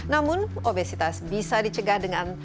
namun obesitas bisa dicegah dengan